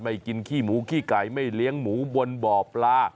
กินขี้หมูขี้ไก่ไม่เลี้ยงหมูบนบ่อปลา